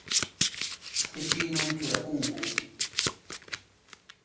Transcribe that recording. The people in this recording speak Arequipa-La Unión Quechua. Qʼipiyman churakunku.